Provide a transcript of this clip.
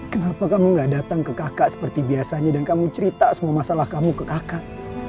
kenapa kamu gak datang ke kakak seperti biasanya dan kamu cerita semua masalah kamu ke kakak